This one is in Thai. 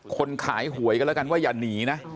คนขายหวยกันแล้วกันว่าอย่าหนีนะ